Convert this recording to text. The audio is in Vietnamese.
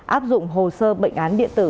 áp dụng hồ sơ bệnh án điện tử